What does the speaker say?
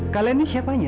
kalian ini siapanya